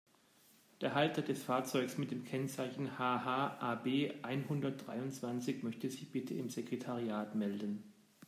Der Halter des Fahrzeugs mit dem Kennzeichen HH-AB-einhundertdreiundzwanzig möchte sich bitte im Sekretariat melden.